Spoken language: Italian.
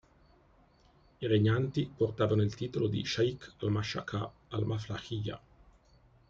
I regnanti portavano il titolo di "Shaykh al-Mashyakha al-Maflahiyya".